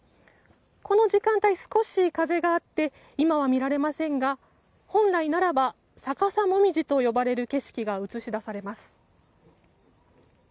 この時間帯、少し風があって今は見られませんが本来ならば逆さモミジと呼ばれる景色が映し出されます。